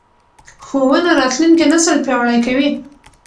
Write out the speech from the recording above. ښوونه راتلونکی نسل پیاوړی کوي